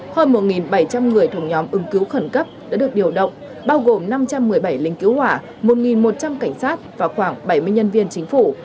hơn một bảy trăm linh người thuộc nhóm ứng cứu khẩn cấp đã được điều động bao gồm năm trăm một mươi bảy lính cứu hỏa một một trăm linh cảnh sát và khoảng bảy mươi nhân viên chính phủ